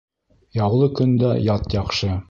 Яулы көндә ят яҡшы